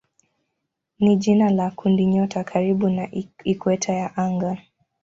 ni jina la kundinyota karibu na ikweta ya anga.